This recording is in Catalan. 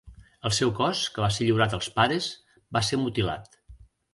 El seu cos, que va ser lliurat als pares, va ser mutilat.